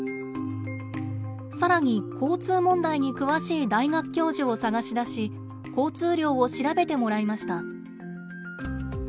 更に交通問題に詳しい大学教授を探し出し交通量を調べてもらいました。